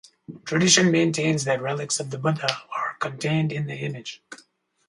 Tradition maintains that relics of the Buddha are contained in the image.